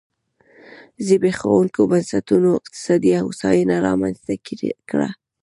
زبېښونکو بنسټونو اقتصادي هوساینه رامنځته کړه.